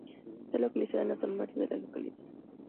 Está localizada en la zona norte de la localidad.